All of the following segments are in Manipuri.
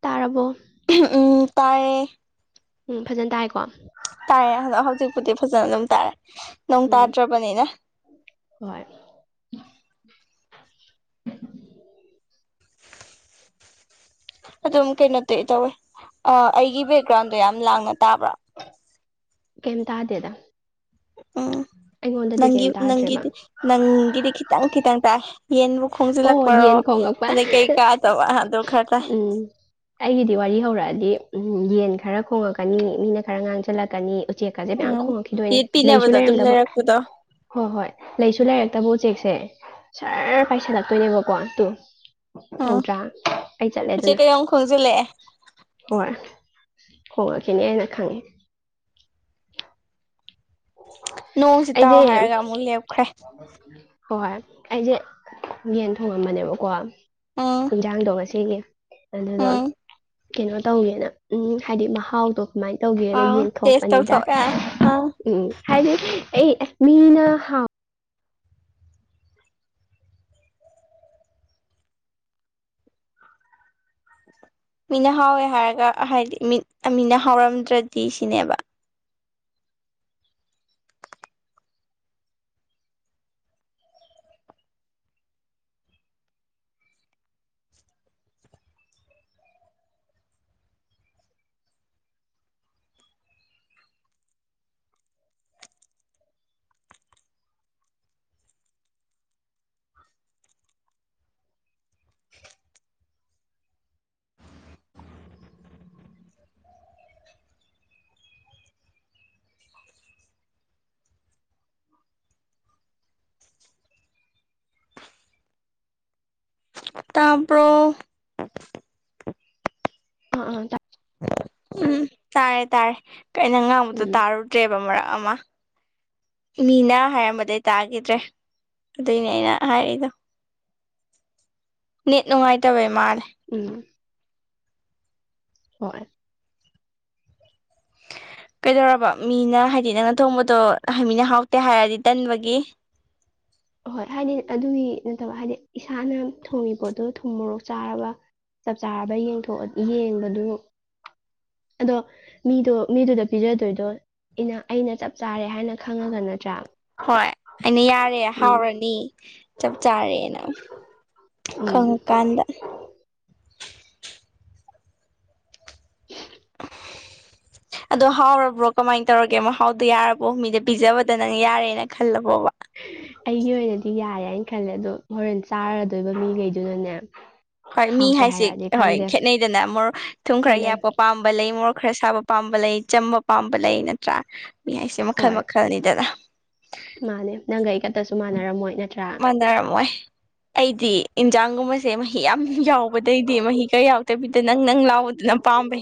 ꯇꯥꯔꯕꯣ ꯎꯝ ꯇꯔꯦ ꯎꯝ ꯐꯖꯅ ꯇꯥꯏꯀꯣ ꯇꯥꯏꯔꯦ ꯑꯗꯣ ꯍꯧꯖꯤꯛꯄꯨꯗꯤ ꯐꯖꯅ ꯑꯗꯨꯝ ꯇꯥꯔꯦ ꯅꯣꯡ ꯎꯝ ꯇꯥꯗ꯭ꯔꯕꯅꯤꯅ ꯍꯣꯏ [inaudible] ꯑꯗꯨꯝ ꯀꯩꯅꯣ ꯇꯧ ꯇꯧꯋꯦ ꯑꯩꯒꯤ ꯕꯦꯛꯒ꯭ꯔꯥꯎꯟꯗꯣ ꯌꯥꯝ ꯂꯥꯡꯅ ꯇꯥꯕ꯭ꯔꯥ ꯀꯩꯝꯇꯗꯦꯗ ꯎꯝ ꯅꯪꯒꯤ ꯇꯥꯗ꯭ꯔꯦꯕ ꯅꯪꯒꯤꯗꯤ ꯅꯪꯒꯤꯗꯤ ꯈꯤꯇꯪ ꯈꯤꯇꯪ ꯇꯥꯏ ꯌꯦꯟꯕꯨ ꯑꯣ ꯈꯣꯡꯖꯤꯜꯂꯛꯄꯔꯣ ꯌꯦꯟ ꯈꯣꯡꯉꯛꯄ ꯑꯗꯩ ꯀꯩꯀꯥ ꯇꯧꯕ ꯑꯗꯨ ꯈꯔ ꯇꯥꯏ ꯎꯝ ꯑꯩꯒꯤꯗꯤ ꯋꯥꯔꯤ ꯍꯧꯔꯛꯑꯗꯤ ꯌꯦꯟ ꯈꯔ ꯈꯣꯡꯉꯛꯀꯅꯤ ꯃꯤꯅ ꯈꯔ ꯉꯥꯡꯁꯤꯜꯂꯛꯀꯅꯤ ꯎꯆꯦꯛꯀꯁꯦ ꯃꯌꯥꯝ ꯎꯝ ꯈꯣꯡꯉꯛꯈꯤꯗꯣꯏꯅꯦ ꯌꯦꯠ ꯂꯩꯁꯨ ꯄꯤꯅꯕꯗꯣ ꯑꯗꯨꯝ ꯂꯩꯔꯝꯗꯕ ꯂꯩꯔꯛꯄꯗꯣ ꯍꯣꯏ ꯍꯣꯏ ꯂꯩꯁꯨ ꯂꯩꯔꯛꯇꯕ ꯎꯆꯦꯛꯁꯦ ꯁꯔ ꯄꯥꯏꯁꯤꯜꯂꯛꯇꯣꯏꯅꯦꯕꯀꯣ ꯇꯨ ꯎꯝ ꯇꯧꯗ꯭ꯔꯥ ꯑꯩ ꯆꯠꯂꯦ ꯎꯆꯦꯛ ꯑꯗꯨꯅ ꯀꯩ ꯑꯃꯨꯛ ꯈꯣꯡꯖꯤꯜꯂꯛꯑꯦ ꯍꯣꯏ ꯍꯉ ꯈꯅꯤ ꯍꯥꯏꯅ ꯈꯥꯉꯦ ꯅꯣꯡꯁꯤ ꯇꯥꯎ ꯑꯩꯗꯤ ꯍꯥꯏꯔꯒ ꯑꯃꯨꯛ ꯂꯦꯞꯈ꯭ꯔꯦ ꯍꯣꯏ ꯍꯣꯏ ꯑꯩꯁꯦ ꯌꯦꯟ ꯊꯣꯡꯉꯝꯕꯅꯦꯀꯣ ꯎꯝ ꯍꯤꯡꯖꯥꯡꯗꯣ ꯉꯁꯤꯒꯤ ꯑꯗꯨꯗ ꯎꯝ ꯀꯩꯅꯣ ꯇꯧꯋꯦꯅ ꯎꯝ ꯍꯥꯏꯗꯤ ꯃꯍꯥꯎꯗꯣ ꯀꯥꯃꯥꯏꯅ ꯇꯧꯒꯦꯅ ꯑꯥ ꯇꯦꯁ ꯌꯦꯡꯊꯣꯛꯄꯅꯤꯗ ꯇꯧꯊꯣꯛꯑꯦ ꯑꯥ ꯎꯝ ꯍꯥꯏꯗꯤ ꯑꯩ ꯃꯤꯅ ꯍꯥꯥꯎ [inaudible] ꯃꯤꯅ ꯍꯥꯎꯋꯦ ꯍꯥꯏꯔꯒ ꯍꯥꯏꯗꯤ ꯃꯤ ꯃꯤꯅ ꯍꯥꯎꯔꯝꯗ꯭ꯔꯗꯤ ꯁꯤꯅꯦꯕ ꯇꯕ꯭ꯔꯣ ꯑꯥ ꯑꯥ ꯎꯝ ꯇꯥꯔꯦ ꯇꯥꯔꯦ ꯀꯩꯅ ꯉꯥꯡꯕꯗꯣ ꯎꯝ ꯇꯥꯔꯨꯗ꯭ꯔꯦꯕ ꯃꯔꯛ ꯑꯃ ꯃꯤꯅ ꯍꯥꯏꯔꯝꯕꯗꯤ ꯇꯥꯈꯤꯗ꯭ꯔꯦ ꯑꯗꯨꯏꯅꯦ ꯑꯩꯅ ꯍꯥꯏꯔꯤꯏꯗꯣ ꯅꯦꯠ ꯅꯨꯡꯉꯥꯏꯇꯕꯩ ꯃꯥꯜꯂꯦ ꯎꯝ ꯍꯣꯏ [inaudible] ꯀꯩꯗꯧꯔꯕ ꯃꯤꯅ ꯍꯥꯏꯗꯤ ꯅꯪꯅ ꯊꯣꯡꯕꯗꯣ ꯍꯥꯏ ꯃꯤꯅ ꯍꯥꯎꯇꯦ ꯍꯥꯏꯔꯗꯤ ꯇꯟꯕꯒꯤ ꯍꯣꯏ ꯍꯥꯏꯗꯤ ꯑꯗꯨꯒꯤ ꯅꯠꯇꯕ ꯍꯥꯏꯗꯤ ꯏꯁꯥꯅ ꯊꯣꯡꯉꯤꯕ ꯄꯣꯠꯇꯣ ꯊꯨꯝ ꯃꯣꯔꯣꯛ ꯆꯥꯔꯕ ꯆꯞ ꯆꯥꯔꯕ ꯌꯦꯡꯕꯗꯨ ꯑꯗꯣ ꯃꯤꯗꯣ ꯃꯤꯗꯨꯗ ꯄꯤꯖꯗꯣꯏꯗꯣ ꯑꯩꯅ ꯆꯞ ꯆꯥꯔꯦ ꯍꯥꯏꯅ ꯈꯪꯉꯒ ꯅꯠꯇ꯭ꯔꯥ ꯍꯣꯏ ꯑꯩꯅ ꯌꯥꯔꯦ ꯎꯝ ꯍꯥꯎꯔꯅꯤ ꯆꯞ ꯆꯥꯔꯦꯅ ꯈꯪ ꯎꯝ ꯀꯥꯟꯗ [unintelligible] ꯑꯗꯣ ꯍꯥꯎꯔꯕ꯭ꯔꯣ ꯀꯃꯥꯏꯅ ꯇꯧꯔꯒꯦ ꯃꯍꯥꯎꯗꯣ ꯌꯥꯔꯕꯣ ꯃꯤꯗ ꯄꯤꯖꯕꯗ ꯅꯪ ꯌꯥꯔꯦꯅ ꯈꯜꯂꯕꯣꯕ ꯑꯩꯒꯤ ꯑꯣꯏꯅꯗꯤ ꯌꯥꯔꯦ ꯍꯥꯏꯅ ꯈꯜꯂꯦ ꯑꯗꯣ ꯍꯣꯔꯦꯟ ꯆꯥꯔꯗꯣꯏꯕ ꯃꯤꯈꯩꯗꯨꯅꯅꯦ ꯍꯣꯏ ꯃꯤ ꯍꯥꯎꯇꯦ ꯍꯥꯏꯁꯦ ꯍꯥꯏꯔꯛꯑꯗꯤ ꯍꯣꯏ ꯈꯪꯗꯦ ꯈꯦꯠꯅꯩꯗꯅ ꯃꯣꯔꯣꯛ ꯊꯨꯝ ꯈꯔ ꯈꯦꯠꯅꯩ ꯌꯥꯛꯄ ꯄꯥꯝꯕ ꯂꯩ ꯃꯣꯔꯣꯛ ꯈꯔ ꯁꯥꯕ ꯄꯥꯝꯕ ꯂꯩ ꯆꯝꯕ ꯄꯥꯝꯕ ꯂꯩ ꯅꯠꯇ꯭ꯔꯥ ꯃꯤ ꯍꯥꯏꯁꯦ ꯃꯈꯜ ꯍꯣꯏ ꯃꯈꯜꯅꯤꯗꯅ ꯃꯥꯅꯦ ꯅꯪꯒ ꯑꯩꯒꯛꯇꯁꯨ ꯃꯥꯟꯅꯔꯝꯃꯣꯏ ꯅꯠꯇ꯭ꯔꯥ ꯃꯥꯟꯅꯔꯝꯃꯣꯏ ꯑꯩꯗꯤ ꯏꯟꯖꯥꯡꯒꯨꯝꯕꯁꯦ ꯃꯍꯤ ꯌꯥꯝ ꯌꯥꯎꯕꯗꯩꯗꯤ ꯃꯍꯤ ꯀꯥ ꯌꯥꯎꯗꯕꯤꯗ ꯅꯪ ꯅꯪ ꯂꯥꯎꯕ ꯌꯥꯝ ꯄꯥꯝꯕꯩ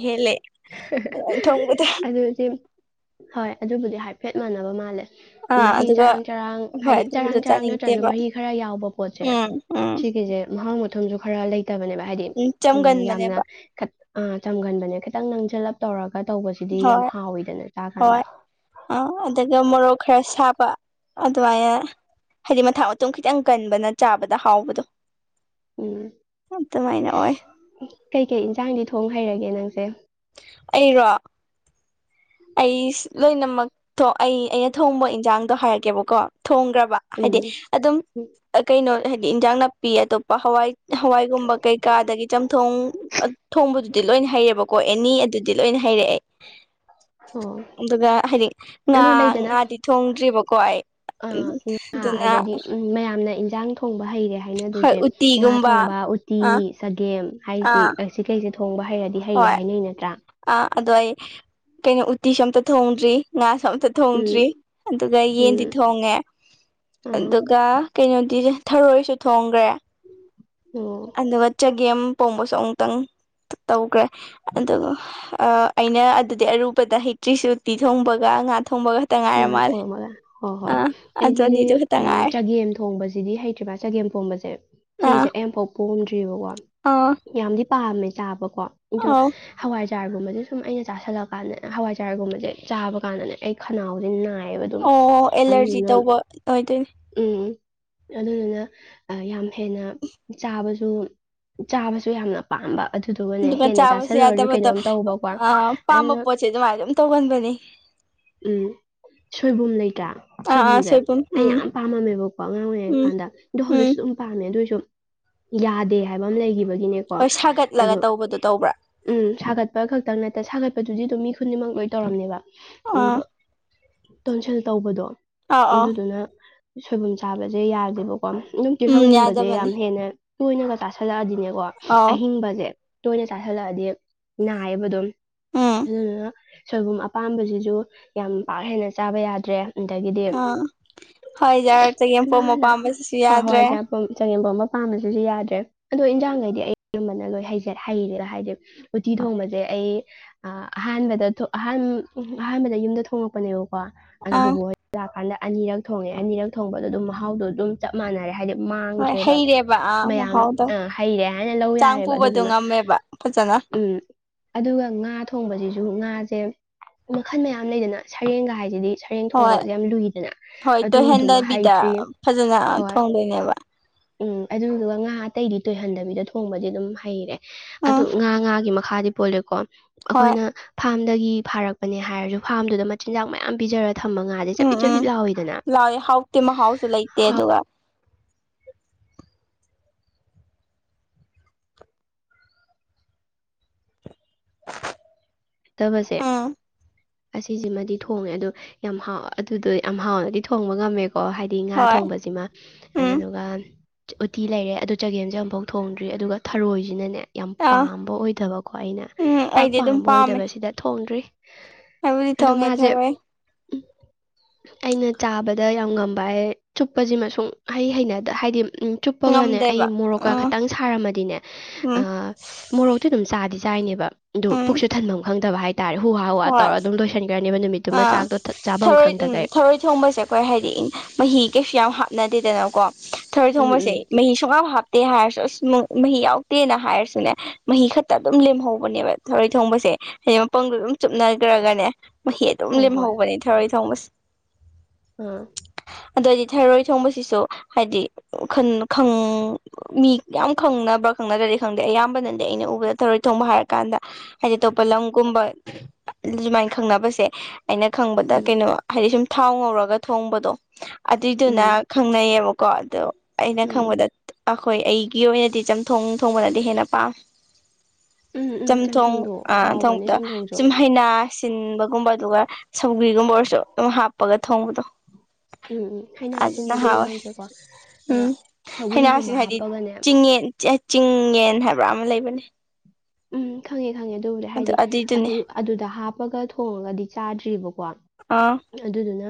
ꯑꯗꯨꯗꯤ ꯍꯣꯏ ꯑꯗꯨꯕꯨꯗꯤ ꯍꯥꯏꯐꯦꯠ ꯃꯥꯟꯅꯕ ꯃꯥꯜꯂꯦ ꯑꯥ ꯃꯍꯤ ꯑꯗꯨꯒ ꯆꯔꯥꯡ ꯆꯔꯥꯡ ꯍꯣꯏ ꯍꯥꯏꯗꯤ ꯆꯔꯥꯡ ꯑꯗꯨꯝꯕꯗꯣ ꯆꯔꯥꯡ ꯅꯠꯇ꯭ꯔꯁꯨ ꯆꯥꯅꯤꯡꯗꯦꯕ ꯃꯍꯤ ꯈꯔ ꯌꯥꯎꯕ ꯄꯣꯠꯁꯦ ꯎꯝ ꯎꯝ ꯁꯤꯒꯤꯁꯦ ꯃꯍꯥꯎ ꯊꯨꯝꯁꯨ ꯈꯔ ꯂꯩꯇꯕꯅꯦꯕ ꯍꯥꯏꯗꯤ ꯎꯝ ꯌꯥꯝꯅ ꯑ ꯆꯝꯒꯟꯕꯅꯦ ꯈꯤꯇꯪ ꯅꯪꯁꯜꯂꯞ ꯇꯧꯔꯒ ꯇꯧꯕꯁꯤꯗꯤ ꯌꯥꯝ ꯍꯣꯏ ꯍꯥꯎꯋꯤꯗꯅ ꯆꯥꯀꯥꯟꯗ ꯑ ꯃꯣꯔꯣꯛ ꯈꯔ ꯁꯥꯕ ꯑꯗꯨꯃꯥꯏꯅ ꯍꯥꯏꯗꯤ ꯃꯊꯥ ꯃꯊꯨꯝ ꯈꯤꯇꯪ ꯀꯟꯕꯅ ꯆꯥꯕꯗ ꯍꯥꯎꯕꯗꯣ ꯎꯝ ꯑꯗꯨꯃꯥꯏꯅ ꯑꯣꯏ ꯀꯩ ꯀꯩ ꯏꯟꯁꯥꯡꯗꯤ ꯊꯣꯡ ꯍꯩꯔꯒꯦ ꯅꯪꯁꯦ ꯑꯩꯔꯣ ꯑꯩ ꯂꯣꯏꯅꯃꯛ ꯑꯩ ꯑꯩꯅ ꯊꯣꯡꯕ ꯏꯟꯖꯥꯡꯗꯣ ꯍꯥꯏꯔꯛꯀꯦꯕꯀꯣ ꯊꯣꯡꯈ꯭ꯔꯕ ꯎꯝ ꯍꯥꯏꯗꯤ ꯑꯗꯨꯝ ꯎꯝ ꯀꯩꯅꯣ ꯍꯥꯏꯗꯤ ꯏꯟꯖꯥꯡ ꯅꯥꯄꯤ ꯑꯇꯣꯞꯄ ꯍꯋꯥꯏ ꯍꯋꯥꯏꯒꯨꯝꯕ ꯀꯩꯀꯥ ꯑꯗꯒꯤ ꯆꯝꯊꯣꯡ ꯊꯣꯡꯕ ꯑꯗꯨꯗꯤ ꯂꯣꯏꯅ ꯍꯩꯔꯦꯕꯀꯣ ꯑꯦꯅꯤ ꯑꯗꯨꯗꯤ ꯂꯣꯏꯅ ꯍꯩꯔꯦ ꯑꯩ ꯑꯣ ꯑꯗꯨꯒ ꯍꯥꯏꯗꯤ ꯉꯥ ꯑꯗꯣ ꯂꯩꯗꯅ ꯉꯥꯗꯤ ꯊꯣꯡꯗ꯭ꯔꯤꯕꯀꯣ ꯑꯩ ꯎꯝ ꯑꯥ ꯉꯥ ꯑꯗꯨꯅ ꯑꯗꯩꯗꯤ ꯎꯝ ꯃꯌꯥꯝꯅ ꯏꯟꯖꯥꯡ ꯊꯣꯡꯕ ꯍꯩꯔꯦ ꯍꯣꯏ ꯍꯥꯏꯅꯗꯣꯏꯁꯦ ꯉꯥ ꯎꯇꯤꯒꯨꯝꯕ ꯊꯣꯡꯕ ꯎꯇꯤ ꯑꯥ ꯆꯒꯦꯝ ꯍꯥꯏꯁꯦ ꯑꯥ ꯑꯁꯤ ꯀꯩꯁꯤ ꯊꯣꯡꯕ ꯍꯩꯔꯗꯤ ꯍꯩꯔꯦ ꯍꯣꯏ ꯍꯥꯏꯅꯩ ꯅꯠꯇ꯭ꯔꯥ ꯑꯥ ꯑꯗꯣ ꯑꯩ ꯀꯩꯅꯣ ꯎꯇꯤꯁꯨ ꯑꯝꯇ ꯊꯣꯡꯗ꯭ꯔꯤ ꯉꯥ ꯇ ꯎꯝ ꯊꯣꯡꯗ꯭ꯔꯤ ꯑꯗꯨꯒ ꯌꯦꯟꯗꯤ ꯎꯝ ꯊꯣꯡꯉꯦ ꯑꯥ ꯑꯗꯨꯒ ꯀꯩꯅꯣꯗꯤ ꯊꯔꯣꯏꯁꯨ ꯊꯣꯡꯈ꯭ꯔꯦ ꯑꯣ ꯑꯗꯨꯒ ꯆꯒꯦꯝ ꯄꯣꯝꯕꯁꯨ ꯑꯃꯨꯛꯇꯪ ꯇꯧꯈ꯭ꯔꯦ ꯑꯗꯨ ꯑ ꯑꯩꯅ ꯑꯗꯨꯗꯤ ꯑꯔꯨꯕꯗ ꯍꯩꯇ꯭ꯔꯤꯁꯨ ꯎꯇꯤ ꯊꯣꯡꯕꯒ ꯉ ꯉꯥ ꯊꯣꯡꯝꯃꯒ ꯍꯣꯏ ꯍꯣꯏ ꯑꯥ ꯑꯗꯨ ꯑꯩꯁꯤꯗꯤ ꯑꯅꯤꯗꯨ ꯈꯛꯇ ꯎꯝ ꯉꯥꯏꯔꯦ ꯆꯒꯦꯝ ꯊꯣꯡꯕꯁꯤꯗꯤ ꯍꯩꯇ꯭ꯔꯤꯕ ꯆꯒꯦꯝ ꯐꯣꯝꯕꯁꯦ ꯑꯥ ꯁꯤꯒꯤꯁꯦ ꯑꯦꯝ ꯐꯥꯎ ꯍꯣꯝꯗ꯭ꯔꯤꯕꯀꯣ ꯑꯥ ꯌꯥꯝꯗꯤ ꯄꯥꯝꯃꯦ ꯇꯥꯕꯀꯣ ꯑ ꯑꯧ ꯍꯋꯥꯏ ꯍ ꯆꯥꯔꯒꯨꯝꯕꯁꯦ ꯁꯨꯝ ꯑꯩꯅ ꯆꯥꯥꯁꯜꯂꯛꯀꯥꯟꯗꯅꯦ ꯍꯋꯥꯏ ꯆꯥꯔꯒꯨꯝꯕꯁꯦ ꯆꯥꯕ ꯀꯥꯟꯗꯅꯦ ꯑꯩ ꯈꯅꯥꯎꯗꯤ ꯅꯥꯔꯦ ꯕ ꯑꯗꯨꯝ ꯑꯣ ꯑꯦꯂꯔꯖꯤ ꯑꯗꯨꯗꯨꯅ ꯇꯧꯕ ꯑꯣꯏꯗꯣꯏꯅꯦ ꯎꯝ ꯑꯗꯨꯗꯨꯅ ꯌꯥꯝ ꯍꯦꯟꯅ ꯆꯥꯕꯁꯨ ꯑꯗꯨ ꯆꯥꯕꯁꯨ ꯌꯥꯝꯅ ꯄꯥꯝꯕ ꯑꯗꯨꯗꯨꯒꯅꯦ ꯑꯗꯨꯒ ꯍꯦꯟꯅ ꯆꯥꯕꯁꯨ ꯆꯥꯁꯤꯜꯂꯨꯔꯁꯨ ꯌꯥꯗꯕꯗꯣ ꯀꯩꯅꯣꯝ ꯇꯧꯕꯀꯣ ꯑꯥ ꯄꯥꯝꯕ ꯑꯗꯨꯅ ꯄꯣꯠꯁꯦ ꯑꯗꯨꯃꯥꯏꯅ ꯑꯗꯨꯝ ꯇꯧꯒꯟꯕꯅꯤ ꯎꯝ ꯁꯣꯏꯕꯨꯝ ꯂꯩꯇ꯭ꯔꯥ ꯑꯥ ꯑꯥ ꯁꯣꯏꯕꯨꯝꯁꯦ ꯁꯣꯏꯕꯨꯝ ꯑꯩ ꯎꯝ ꯌꯥꯝ ꯄꯥꯝꯃꯝꯃꯦꯕꯀꯣ ꯑꯉꯥꯡ ꯑꯣꯏꯔꯤꯉꯩ ꯎꯝ ꯀꯥꯟꯗ ꯑꯗꯣ ꯎꯝ ꯍꯧꯖꯤꯛꯁꯨ ꯑꯗꯨꯝ ꯄꯥꯝꯃꯦ ꯑꯗꯨꯏꯁꯨ ꯌꯥꯗꯦ ꯍꯥꯏꯕ ꯑꯃ ꯂꯩꯈꯤꯕ ꯅꯦꯀꯣ ꯍꯣꯏ ꯁꯥꯒꯠꯂꯒ ꯑ ꯇꯧꯕꯗꯣ ꯇꯧꯕ꯭ꯔꯥ ꯎꯝ ꯁꯥꯒꯠꯄ ꯈꯛꯇ ꯅꯠꯇ ꯁꯥꯒꯠ ꯑꯗꯨꯗꯤꯗꯣꯝ ꯃꯤ ꯈꯨꯗꯤꯅꯤꯃꯛ ꯂꯣꯏ ꯇꯧꯔꯝꯃꯦꯕ ꯑꯥ ꯑꯗꯣ ꯀꯣꯟꯁꯦꯜ ꯇꯧꯕꯗꯣ ꯑꯥ ꯑꯥ ꯑꯗꯨꯗꯨꯅ ꯁꯣꯏꯕꯨꯝ ꯆꯥꯕꯁꯦ ꯌꯥꯗꯦꯕ ꯀ ꯌꯨꯝ ꯎꯝ ꯇꯤꯜꯍꯧꯒꯨꯝꯕꯁꯦ ꯌꯥꯗꯕꯅꯤ ꯌꯥꯝ ꯍꯦꯟꯅ ꯇꯣꯏꯅꯒ ꯇꯥꯁꯜꯂꯛꯑꯗꯤꯅꯦꯀꯣ ꯑꯥꯎ ꯑꯍꯤꯡꯕꯁꯦ ꯇꯣꯏꯅ ꯆꯥꯥꯁꯜꯂꯛꯑꯗꯤ ꯅꯥꯏꯌꯦꯕ ꯑꯗꯨꯝ ꯎꯝ ꯑꯗꯨꯗꯨꯅ ꯁꯣꯏꯕꯨꯝ ꯑꯄꯥꯝꯕꯁꯤꯁꯨ ꯌꯥꯝ ꯄꯥꯛ ꯍꯦꯟꯅ ꯆꯥꯕ ꯌꯥꯗ꯭ꯔꯦ ꯑꯗꯒꯤꯗꯤ ꯑꯥ ꯍꯣꯏ ꯌꯥꯔꯛꯇꯒꯤ ꯄꯣꯝ ꯏꯃꯥꯅ ꯃꯄꯥꯝꯕꯁꯤꯁꯨ ꯍ ꯌꯥꯗ꯭ꯔꯦ ꯍꯋꯥꯏꯖꯥꯄ ꯆꯉꯦꯝꯐꯝ ꯑꯃ ꯄꯥꯝꯕꯁꯤꯁꯨ ꯌꯥꯗ꯭ꯔꯦ ꯑꯗꯣ ꯏꯟꯖꯥꯡꯈꯩꯗꯤ ꯑꯩ ꯑꯔꯕꯅ ꯂꯣꯏ ꯍꯩꯦ ꯍꯩꯔꯦꯒ ꯍꯥꯏꯗꯤ ꯎꯇꯤ ꯊꯣꯡꯕꯁꯦ ꯑꯩ ꯑꯍꯥꯟꯕꯗ ꯑꯍꯥꯟꯕ ꯑꯍꯥꯟꯕꯗ ꯌꯨꯝꯗ ꯊꯣꯡꯉꯛꯄꯅꯦꯕꯀꯣ ꯑ ꯕꯣ ꯑꯥ ꯍꯣꯏ ꯂꯥꯛꯀꯥꯟꯗ ꯑꯅꯤꯔꯛ ꯊꯣꯡꯉꯦ ꯑꯅꯤꯔꯛ ꯊꯣꯡꯕꯗꯣ ꯑꯗꯨꯝ ꯃꯍꯥꯎꯗꯣ ꯑꯗꯨꯝ ꯆꯞ ꯃꯥꯟꯅꯔꯦ ꯍꯥꯏꯗꯤ ꯍꯣꯏ ꯃꯥꯡꯗ꯭ꯔꯦꯕ ꯍꯩꯔꯦꯕ ꯑꯥ ꯃꯌꯥꯝ ꯃꯍꯥꯎꯗꯣ ꯑ ꯍꯩꯔꯦ ꯍꯥꯏꯅ ꯂꯧ ꯆꯥꯡ ꯌꯥꯔꯦꯕ ꯄꯨꯕꯗꯣ ꯑꯗꯨꯗꯨꯃ ꯉꯝꯃꯦꯕ ꯐꯖꯅ ꯎꯝ ꯑꯗꯨꯒ ꯉꯥ ꯊꯣꯡꯕꯁꯤꯁꯨ ꯉꯥ ꯁꯦ ꯃꯈꯜ ꯃꯌꯥꯝ ꯂꯩꯗꯅ ꯁꯔꯦꯡꯒ ꯍꯥꯏꯁꯤꯗꯤ ꯁꯔꯦꯡ ꯍꯣꯏ ꯊꯣꯡꯕꯒꯁꯨ ꯌꯥꯝ ꯂꯨꯏꯗꯅ ꯍꯣꯏ ꯑꯗꯨꯗꯨꯃ ꯇꯣꯏꯍꯟꯗꯕꯤꯗ ꯍꯩꯇ꯭ꯔꯤ ꯐꯖꯅ ꯍꯣꯏ ꯊꯣꯡꯗꯣꯏꯅꯦꯕ [inaudible] ꯎꯝ ꯑꯗꯨꯗꯨꯒ ꯉꯥ ꯑꯇꯩꯗꯤ ꯇꯣꯏꯍꯟꯗꯕꯤꯗ ꯊꯣꯡꯕꯗꯤ ꯑꯗꯨꯝ ꯍꯩꯔꯦ ꯑꯗꯨ ꯎꯝ ꯉꯥ ꯉꯥꯒꯤ ꯃꯈꯥꯗꯤ ꯄꯣꯜꯂꯦꯀꯣ ꯍꯣꯏ ꯑꯩꯈꯣꯏꯅ ꯐꯥꯝꯗꯒꯤ ꯐꯥꯔꯛꯄ ꯍꯥꯏꯔꯁꯨ ꯐꯥꯔꯝꯗꯨꯗ ꯃꯆꯤꯟꯖꯥꯛ ꯃꯌꯥꯝ ꯄꯤꯖꯔꯒꯦ ꯊꯝꯃꯉꯥꯁꯦ ꯎꯝ ꯆꯞꯄꯤꯠ ꯆꯄꯤꯠ ꯎꯝ ꯂꯥꯎꯋꯏꯗꯅꯥꯎ ꯂꯥꯎꯋꯦ ꯍꯥꯎꯇꯦ ꯃꯍꯥꯎꯁꯨ ꯂꯩꯇꯦ ꯑꯗꯨꯒ ꯊꯃꯁꯦ ꯎꯝ ꯑꯁꯤꯁꯤꯃꯗꯤ ꯊꯣꯡꯉꯦ ꯑꯗꯣ ꯌꯥꯝ ꯍꯥꯎ ꯑꯗꯨꯗꯣ ꯌꯥꯝ ꯍꯥꯎꯅꯗꯤ ꯊꯣꯡꯕ ꯉꯝꯃꯦꯣ ꯀꯣ ꯍꯥꯏꯗꯤ ꯉꯥ ꯍꯣꯏ ꯊꯣꯡꯕꯁꯤꯃ ꯎꯝ ꯑꯗꯨꯗꯨꯒ ꯎꯇꯤ ꯂꯩꯔꯦ ꯑꯗꯨ ꯆꯒꯦꯝꯁꯦ ꯑꯃꯨꯐꯥꯎ ꯊꯣꯡꯗ꯭ꯔꯤ ꯑꯗꯨꯒ ꯊꯔꯣꯏꯁꯤꯅꯅꯦ ꯌꯥꯝ ꯑꯥ ꯄꯥꯝꯕ ꯑꯣꯏꯗꯕꯀꯣ ꯑꯩꯅ ꯎꯝ ꯄꯥꯛ ꯑꯩꯗꯤ ꯑꯗꯨꯝ ꯄꯥꯝꯕ ꯑꯣꯏ ꯄꯥꯝꯃꯦ ꯗꯕꯁꯤꯗ ꯊꯣꯡꯗ꯭ꯔꯤ ꯑꯩꯕꯨꯗꯤ ꯑꯗꯣ ꯊꯣꯡꯉꯦ ꯃꯥꯁꯦ ꯊꯔꯣꯏ ꯎ ꯑꯩꯅ ꯆꯥꯕꯗ ꯌꯥꯝ ꯉꯝꯕ ꯍꯥꯏ ꯆꯨꯞꯄꯁꯤꯃ ꯍꯩ ꯍꯩꯅꯗ ꯍꯥꯏꯗꯤ ꯎꯝ ꯆꯨꯞꯄꯒꯅꯦ ꯑꯩ ꯉꯝꯗꯦꯕ ꯃꯣꯔꯣꯛꯀ ꯎꯝ ꯈꯇꯪ ꯁꯥꯔꯝꯃꯗꯤꯅꯦ ꯎꯝ ꯃꯣꯔꯣꯛꯇꯨ ꯑꯗꯨꯝ ꯆꯥꯗꯤꯁ ꯆꯥꯏꯅꯦꯕ ꯑꯗꯨ ꯎꯝ ꯄꯨꯁꯨ ꯈꯪꯗꯕ ꯍꯥꯏꯇꯥꯔꯦ ꯍꯨꯋꯥ ꯍꯨꯋꯥ ꯇꯧꯔ ꯑꯗꯨꯝ ꯂꯣꯏꯁꯤꯟꯈ꯭ꯔꯅꯦꯕ ꯅꯨꯃꯤꯠꯇ ꯑ ꯊꯔꯣꯏ ꯎꯝ ꯊꯔꯣꯏ ꯊꯣꯡꯕꯁꯦ ꯑꯩꯈꯣꯏ ꯍꯥꯏꯗꯤ ꯃꯍꯤ ꯀꯩ ꯀꯌꯥꯝ ꯍꯥꯞꯅꯗꯦꯗꯅ ꯀꯣ ꯊꯔꯣꯏ ꯎꯝ ꯊꯣꯡꯕꯁꯦ ꯎꯝ ꯃꯍꯤ ꯁꯨꯡꯞꯞ ꯇꯦ ꯍꯥꯏꯔꯁꯨ ꯑꯁ ꯃꯍꯤ ꯌꯥꯎꯗꯦꯅ ꯍꯥꯏꯔꯁꯨꯅꯦ ꯃꯍꯤ ꯈꯛꯇ ꯑꯗꯨꯝ ꯂꯦꯝꯍꯧꯕꯅꯦꯕ ꯊꯧꯔꯩ ꯊꯣꯡꯕꯁꯦ ꯍꯥꯏꯗꯤ ꯃꯄꯪꯗꯣ ꯑꯗꯨꯝ ꯆꯨꯞꯅꯈ꯭ꯔꯒꯅꯦ ꯃꯍꯤ ꯑꯗꯨꯝ ꯍꯣꯏ ꯂꯦꯝꯍꯧꯕꯅꯦ ꯊꯔꯣꯏ ꯊꯣꯡꯕꯁꯦ ꯑꯝ ꯑꯗꯏꯗꯤ ꯊꯩꯔꯣꯏ ꯊꯣꯡꯕꯁꯤꯁꯨ ꯍꯥꯏꯗꯤ ꯃꯤ ꯌꯥꯝ ꯈꯪꯅꯕ ꯈꯪꯅꯗ꯭ꯔꯗꯤ ꯈꯪꯗꯦ ꯑꯌꯥꯝꯕꯅꯗꯤ ꯑꯩꯅ ꯎꯕꯗ ꯊꯔꯣꯏ ꯊꯣꯡꯕ ꯍꯥꯏꯔ ꯀꯥꯟꯗ ꯍꯥꯏꯗꯤ ꯑꯇꯣꯞꯄ ꯂꯝꯒꯨꯝꯕ ꯁꯨꯃꯥꯏꯅ ꯈꯪꯅꯕꯁꯦ ꯑꯩꯅ ꯈꯪꯕꯗ ꯎꯝ ꯀꯩꯅꯣ ꯍꯥꯏꯗꯤ ꯁꯨꯝ ꯊꯥꯎ ꯉꯧꯔꯒ ꯊꯣꯡꯕꯗꯣ ꯑꯗꯨꯏꯗꯨꯅ ꯎꯝ ꯈꯪꯅꯩꯌꯦꯕꯀꯣ ꯑꯗꯣ ꯑꯩꯅ ꯎꯝ ꯈꯪꯕꯗ ꯑꯩꯈꯣꯏ ꯑꯩꯒꯤ ꯑꯣꯏꯅꯗꯤ ꯆꯝꯊꯣꯡ ꯊꯣꯡꯕꯅꯗꯤ ꯍꯦꯟꯅ ꯄꯥꯝ ꯎꯝ ꯎꯝ ꯆꯝꯊꯣꯡ ꯆꯝꯊꯣꯡꯗꯣ ꯑ ꯍꯥꯎꯕꯅꯦ ꯊꯣꯡꯕꯗ ꯆꯝꯊꯣꯡꯁꯨ ꯁꯨꯝ ꯍꯩꯅꯥ ꯁꯤꯟꯕꯒꯨꯝꯕ ꯑꯗꯨꯒ ꯁꯧꯒ꯭ꯔꯤꯒꯨꯝꯕ ꯑꯣꯏꯔꯁꯨ ꯑꯗꯨꯝ ꯍꯥꯞꯄꯒ ꯊꯣꯡꯕꯗꯣ ꯎꯝ ꯎꯝ ꯍꯩꯅ ꯑꯗꯨꯅ ꯑꯁꯤꯟꯕꯗꯨꯗꯤ ꯍꯥꯎꯋꯦ ꯍꯪꯗ꯭ꯔꯦꯀꯣ ꯑꯗꯣ ꯎꯝ ꯍꯩꯅꯥꯁꯤ ꯁꯧꯒ꯭ꯔꯤꯒꯨꯝꯕ ꯍꯥꯏꯗꯤ ꯍꯥꯞꯄꯒꯅꯦ ꯆꯤꯡꯌꯦꯟ ꯆꯤꯡꯌꯦꯟ ꯍꯥꯏꯕ꯭ꯔꯥ ꯑꯃ ꯂꯩꯕꯅꯦ ꯎꯝ ꯈꯪꯉꯦꯦ ꯈꯪꯉꯦ ꯑꯗꯨꯕꯨꯗꯤ ꯑꯗꯨ ꯍꯥꯏꯗꯤ ꯑꯗꯨ ꯑꯗꯨꯏꯗꯨꯅꯦ ꯑꯗꯨꯗ ꯍꯥꯞꯄꯒ ꯊꯣꯡꯉꯒꯗꯤ ꯆꯥꯗ꯭ꯑꯔꯤꯕꯀꯣ ꯑꯥ ꯑꯗꯨꯗꯨꯅ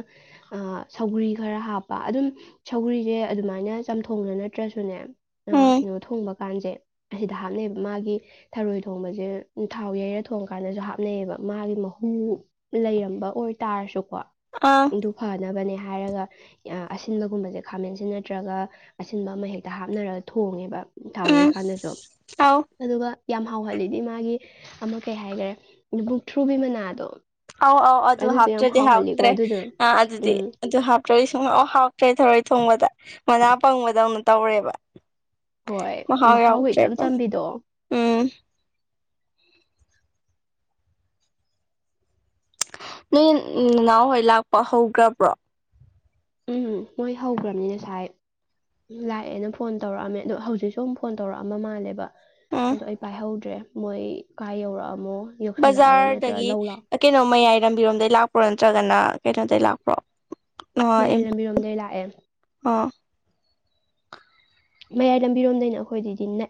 ꯁꯧꯒꯔꯤ ꯈꯔ ꯍꯥꯞꯄ ꯑꯗꯨꯝ ꯁꯧꯒꯔꯤꯁꯦ ꯑꯗꯨꯃꯥꯏꯅ ꯆꯝꯊꯣꯡꯅ ꯅꯠꯇ꯭ꯔꯁꯨꯅꯦ ꯎꯝ ꯀꯩꯅꯣ ꯊꯣꯡꯕ ꯀꯥꯟꯁꯦ ꯑꯁꯤꯗ ꯍꯥꯞꯅꯩꯕ ꯃꯥꯒꯤ ꯊꯔꯣꯏ ꯊꯣꯡꯕꯁꯦ ꯊꯥꯎ ꯌꯩꯔ ꯊꯣꯡꯉ ꯀꯥꯟꯗꯁꯨ ꯍꯥꯞꯅꯩꯌꯦꯕ ꯃꯥꯒꯤ ꯃꯍꯨ ꯂꯩꯔꯝꯕ ꯑꯣꯏ ꯍꯥꯏꯇꯥꯔꯁꯨꯀꯣ ꯑꯥ ꯑꯗꯨ ꯐꯅꯕꯅꯦ ꯍꯥꯏ ꯍꯥꯏꯔꯒ ꯑꯁꯤꯟꯕꯒꯨꯝꯕꯁꯦ ꯈꯥꯃꯦꯟꯁꯤ ꯅꯠꯇ꯭ꯔꯒ ꯑꯁꯤꯟꯕ ꯑꯃ ꯍꯦꯛꯇ ꯍꯥꯞꯅꯔꯒ ꯊꯣꯡꯉꯦꯕ ꯇꯥꯎꯋꯦ ꯎꯝ ꯀꯥꯟꯗꯁꯨ ꯑꯥꯎ ꯑꯗꯨꯒ ꯌꯥꯝ ꯍꯥꯎꯍꯜꯂꯤꯗꯤ ꯃꯥꯒꯤ ꯑꯃ ꯀꯩ ꯍꯥꯏꯈꯔꯦ ꯕꯨꯛ ꯊ꯭ꯔꯨꯕꯤ ꯃꯅꯥꯗꯣ ꯑꯧ ꯑꯧ ꯑꯗꯨ ꯑꯗꯨꯗꯣ ꯌꯥꯝ ꯍꯥꯞꯇ꯭ꯔꯗꯤ ꯍꯥꯎꯍꯜꯂꯤꯀꯣ ꯍꯥꯥꯎꯇ꯭ꯔꯦ ꯑꯗꯨꯗꯣ ꯑ ꯑꯗꯨꯗꯤ ꯎꯝ ꯑꯗꯨ ꯍꯥꯞꯇ꯭ꯔꯗꯤ ꯁꯨꯝ ꯍꯥꯎꯇ꯭ꯔꯦ ꯣꯏ ꯊꯣꯡꯕꯗ ꯃꯅꯥ ꯄꯪꯕꯗꯧꯅ ꯇꯧꯔꯦꯕ ꯍꯣꯏ ꯍ ꯃꯍꯥꯎꯒꯤ ꯌꯥꯎꯁꯦ ꯏꯆꯝ ꯆꯝꯕꯤꯗꯣ ꯎꯝ ꯅꯣꯏ ꯅꯍꯎ ꯍꯣꯏ ꯂꯥꯛꯄ ꯍꯧꯈ꯭ꯔꯕ꯭ꯔꯣ ꯎꯝ ꯃꯣꯏ ꯍꯧꯈ꯭ꯔꯕꯅꯤ ꯉꯁꯥꯏ ꯂꯥꯛꯑꯦꯅ ꯐꯣꯟ ꯇꯧꯔꯛꯑꯝꯃꯦ ꯑꯗꯣ ꯍꯧꯖꯤꯛꯁꯨ ꯑꯃꯝ ꯐꯣꯟ ꯇꯧꯔꯛꯑꯝꯕ ꯃꯥꯜꯂꯦꯕ ꯎꯝ ꯑꯣ ꯑꯩ ꯄꯥꯏꯍꯧꯗ꯭ꯔꯦ ꯃꯣꯏ ꯀꯥꯏ ꯌꯧꯔꯛꯑꯃꯣ ꯌꯧꯁꯜꯂꯛꯑꯕ ꯅꯠꯇ꯭ꯔꯒ ꯕꯖꯥꯔꯗꯒꯤ ꯂꯧ ꯂꯥꯛ ꯀꯩꯅꯣ ꯃꯌꯥꯏ ꯂꯝꯕꯤꯔꯣꯝꯗꯩ ꯂꯥꯛꯄ꯭ꯔꯣ ꯅꯠꯇ꯭ꯔꯒꯅ ꯀꯩꯅꯣꯗꯒꯤꯩ ꯂꯥꯛꯄ꯭ꯔꯣ ꯃꯌꯥꯏ ꯂꯝꯕꯤꯔꯣꯝꯗꯒꯤꯩ ꯂꯥꯛꯑꯦ ꯍꯥ ꯃꯌꯥꯏ ꯂꯝꯕꯤꯔꯣꯝꯗꯩꯅ ꯑꯩꯈꯣꯏꯗꯗꯤ ꯅ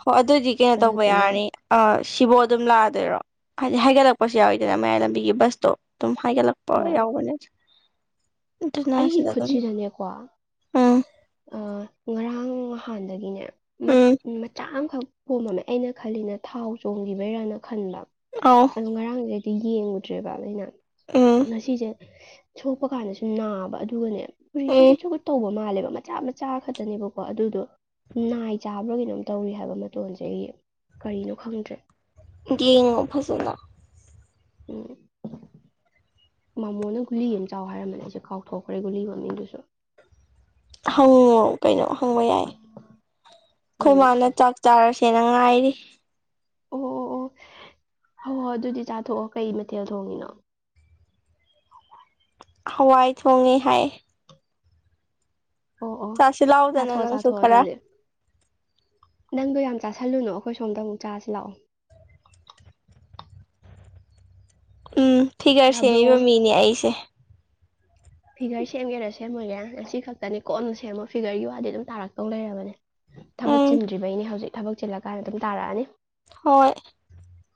ꯍꯣꯏ ꯑꯗꯨꯗꯤ ꯀꯩꯅꯣ ꯇꯧꯕ ꯌꯥꯔꯅꯤ ꯑ ꯁꯤꯕꯨꯣ ꯑꯗꯨꯝ ꯂꯥꯛꯑ ꯔꯣ ꯍꯥꯏꯗꯤ ꯍꯥꯏꯒꯠꯂꯛꯄꯁꯨ ꯌꯥꯎꯋꯤꯗꯅ ꯃꯌꯥꯏ ꯂꯝꯕꯤꯒꯤ ꯕꯁꯇꯣ ꯑꯗꯨꯝ ꯍꯥꯏꯒꯠꯂꯛꯄ ꯍꯣꯏ ꯌꯥꯎꯕꯅꯦ ꯑꯗꯨꯅ ꯑꯩꯒꯤ ꯁꯤꯗ ꯑꯗꯨꯝ ꯈꯨꯠꯁꯤꯗꯅꯦꯀꯣ ꯎꯝ ꯑ ꯉꯔꯥꯡ ꯅꯍꯥꯟꯗꯒꯤꯅꯦ ꯎꯝ ꯃꯆꯥ ꯑꯃꯈꯛ ꯄꯣꯝꯃꯝꯃꯦ ꯑꯩꯅ ꯈꯜꯂꯤꯅ ꯊꯥꯎ ꯆꯣꯡꯈꯤꯕꯩꯔꯅ ꯈꯟꯕ ꯑꯧ ꯑꯣ ꯉꯔꯥꯡꯁꯦꯗꯤ ꯌꯦꯡꯉꯨꯗ꯭ꯔꯦꯕ ꯑꯩꯅ ꯎꯝ ꯉꯁꯤꯁꯦ ꯁꯣꯛꯄ ꯀꯥꯟꯗꯁꯨ ꯅꯥꯕ ꯑꯗꯨꯒꯅꯦ ꯄꯨꯔꯤ ꯎꯝ ꯁꯧꯒꯨꯠ ꯁꯧꯒꯨꯠ ꯇꯧꯕ ꯃꯥꯜꯂꯦꯕ ꯃꯆꯥ ꯃꯆꯥ ꯈꯛꯇꯅꯦꯕꯀꯣ ꯑꯗꯨꯗꯣ ꯅꯥꯏ ꯆꯥꯕ꯭ꯔꯥ ꯀꯩꯅꯣꯝ ꯇꯧꯏ ꯍꯥꯏꯕ ꯃꯇꯣꯟꯁꯦ ꯑꯩꯒꯤ ꯀꯔꯤꯅꯣ ꯈꯪꯗ꯭ꯔꯦ ꯌꯦꯡꯉꯨ ꯐꯖꯅ ꯎꯝ ꯃꯃꯣꯅ ꯒꯨꯂꯤ ꯑꯃ ꯆꯥꯎ ꯍꯥꯏꯔꯝꯕꯅꯦ ꯑꯩꯁꯨꯦ ꯀꯥꯎꯊꯣꯛꯈ꯭ꯔꯦ ꯒꯨꯂꯤ ꯃꯃꯤꯡꯗꯨꯁꯨ ꯍꯪꯉꯣ ꯀꯩꯅꯣ ꯍꯪꯕ ꯌꯥꯏ ꯑꯩꯈꯣꯏ ꯎꯝ ꯃꯥꯅ ꯆꯥꯛ ꯇꯥꯔꯁꯤ ꯁꯦꯅꯉꯥꯏꯔꯤ ꯑꯣ ꯑꯣ ꯑꯣ ꯍ ꯍꯣꯏ ꯑꯗꯨꯗꯤ ꯆꯥꯊꯣꯛꯑꯣ ꯀꯩ ꯃꯊꯦꯜ ꯊꯣꯡꯉꯤꯅꯣ ꯍꯋꯥꯏ ꯊꯣꯡꯉꯦ ꯍꯥꯏ ꯑꯣ ꯑꯣ ꯆꯁꯤ ꯂꯑꯣꯗꯅꯦ ꯆꯥꯊꯣꯛꯑꯣ ꯅꯪꯁꯨꯨ ꯆꯥꯊꯣꯛꯑꯣ ꯈꯔ ꯑꯗꯨꯗꯤ ꯅꯪꯗꯣ ꯌꯥꯝ ꯆꯥꯥꯁꯜꯂꯨꯅꯨ ꯑꯩꯈꯣꯏ ꯁꯣꯝꯗ ꯑꯃꯨꯛ ꯆꯁꯤ ꯂꯥꯛꯑꯣ ꯎꯝ ꯐꯤꯒꯔ ꯌꯥꯕ꯭ꯔꯣ ꯁꯦꯝꯃꯤꯕ ꯃꯤꯅꯦ ꯑꯩꯁꯦ ꯐꯤꯒꯔ ꯁꯦꯝꯒꯦꯔꯥ ꯁꯦꯝꯃꯣꯏꯔꯦ ꯉ ꯑꯁꯤ ꯈꯛꯇꯅꯤ ꯀꯣꯟꯅ ꯁꯦꯝꯃꯣ ꯐꯤꯒꯔꯒꯤ ꯋꯥꯗꯤ ꯑꯗꯨꯝ ꯇꯥꯔꯛꯇꯧ ꯂꯩꯔꯕꯅꯦ ꯊꯕꯛ ꯎꯝ ꯆꯤꯟꯗ꯭ꯔꯤꯕꯩꯅꯦ ꯍꯧꯖꯤꯛ ꯊꯕꯛ ꯆꯤꯜꯂꯀꯥꯟꯗ ꯑꯗꯨꯝ ꯇꯥꯔꯛꯑꯅꯤ ꯍꯣꯏꯣꯏ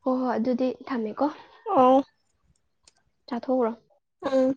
ꯍꯣꯏ ꯍꯣꯏ ꯑꯗꯨꯗꯤ ꯊꯝꯃꯦꯀꯣ ꯑ ꯆꯥꯊꯣꯛꯎꯈ꯭ꯔꯣ ꯑꯝ